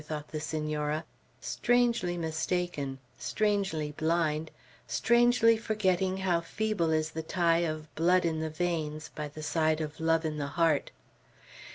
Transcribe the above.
thought the Senora, strangely mistaken, strangely blind, strangely forgetting how feeble is the tie of blood in the veins by the side of love in the heart.